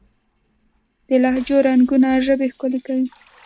د لهجو رنګونه ژبه ښکلې کوي.